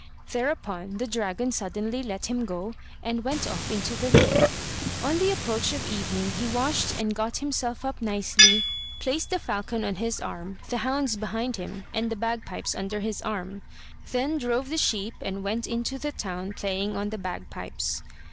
Thereupon, the dragon suddenly let him go, and went off into the lake. On the approach of evening, he washed and got himself up nicely, placed the falcon on his arm, the hounds behind him, and the bagpipes under his arm, then drove the sheep and went into the town playing on the bagpipes.